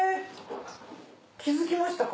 気付きましたか？